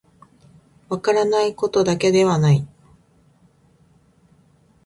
分からないことだけではない